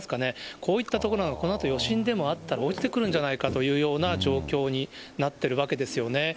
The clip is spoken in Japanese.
こういった所、このあと余震でも起きたら落ちてくるんじゃないかという状況になってるわけですよね。